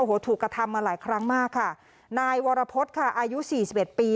โอ้โหถูกกระทำมาหลายครั้งมากค่ะนายวรพฤษค่ะอายุสี่สิบเอ็ดปี